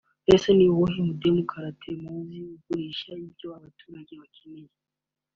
Ese ni uwuhe mudemokarate muzi ugurisha ibyo abaturage bakeneye